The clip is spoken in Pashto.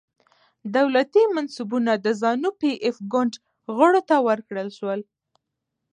دولتي منصبونه د زانو پي ایف ګوند غړو ته ورکړل شول.